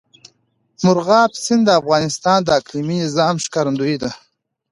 مورغاب سیند د افغانستان د اقلیمي نظام ښکارندوی ده.